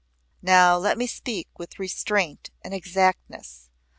Now let me speak with restraint and exactness.